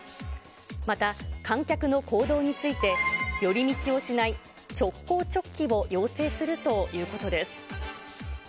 また、観客の行動について、寄り道をしない、直行直帰を要請するということです。